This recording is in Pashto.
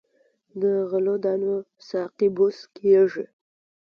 د غلو دانو ساقې بوس کیږي.